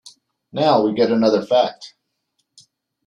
Now we get another fact.